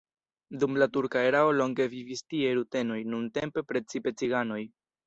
Dum la turka erao longe vivis tie rutenoj, nuntempe precipe ciganoj.